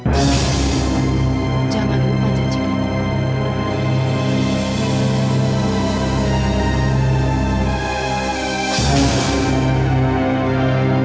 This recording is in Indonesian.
biar ibu bisa mencintai kamu